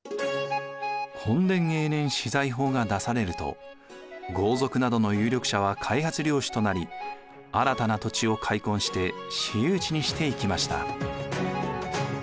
墾田永年私財法が出されると豪族などの有力者は開発領主となり新たな土地を開墾して私有地にしていきました。